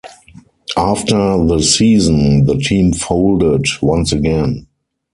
After the season, the team folded, once again.